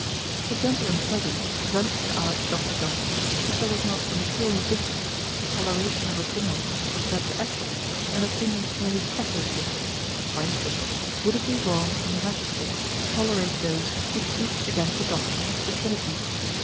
A gentleman present ventured to ask Dr. Johnson if there was not a material difference as to toleration of opinions which lead to action, and opinions merely speculative; for instance, would it be wrong in the magistrate to tolerate those who preach against the doctrine of the TRINITY?